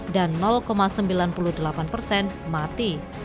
dan sembilan puluh delapan persen mati